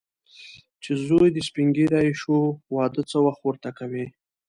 چې زوی دې سپین ږیری شو، واده څه وخت ورته کوې.